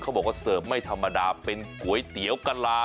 บอกว่าเสิร์ฟไม่ธรรมดาเป็นก๋วยเตี๋ยวกะลา